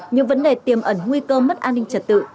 những vấn đề tiềm ẩn nguy cơ mất an ninh trật tự